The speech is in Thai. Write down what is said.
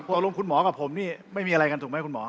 อารมณ์คุณหมอกับผมนี่ไม่มีอะไรกันถูกไหมคุณหมอ